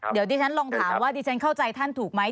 เดี๋ยวดิฉันลองถามว่าดิฉันเข้าใจท่านถูกไหม